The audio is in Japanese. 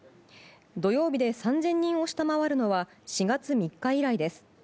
土曜日で３０００人を下回るのは４月３日以来です。